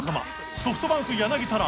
ソフトバンク柳田ら